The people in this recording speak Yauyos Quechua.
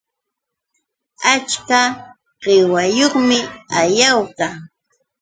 Achka qiwayuqmi Ayawka